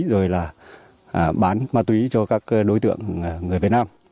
rồi là bán ma túy cho các đối tượng người việt nam